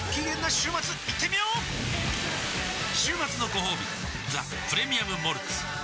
週末のごほうび「ザ・プレミアム・モルツ」